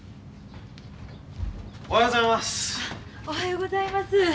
おはようございます。